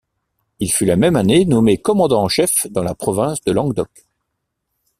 Il fut la même année nommé commandant en chef dans la province de Languedoc.